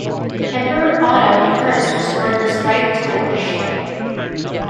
Emperor Otto the First restored this right to Lorsch.